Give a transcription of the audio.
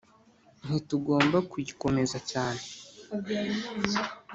ntitugomba kuyikomeza cyane.